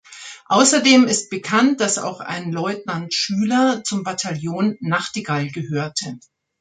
Außerdem ist bekannt, dass auch ein Leutnant Schüler zum Bataillon „Nachtigall“ gehörte.